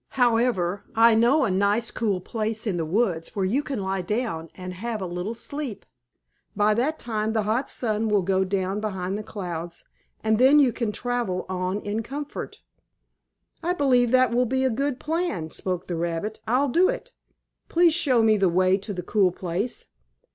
"However, I know a nice cool place in the woods where you can lie down and have a little sleep. By that time the hot sun will go down behind the clouds, and then you can travel on in comfort." "I believe that will be a good plan," spoke the rabbit. "I'll do it. Please show me the way to the cool place."